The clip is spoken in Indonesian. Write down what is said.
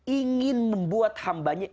ingin membuat hambanya